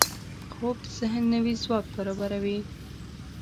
خوب د ذهن نوي ځواک برابروي